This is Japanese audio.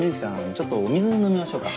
ちょっとお水飲みましょうか。